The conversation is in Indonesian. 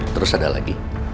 terus ada lagi